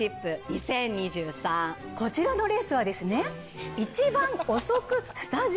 こちらのレースはですね。